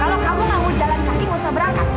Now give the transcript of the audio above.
kalau kamu mau jalan kaki gak usah berangkat